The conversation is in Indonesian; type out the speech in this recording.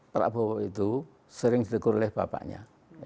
prabowo itu sering ditegur oleh bapaknya